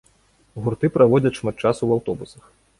Гурты праводзяць шмат часу ў аўтобусах.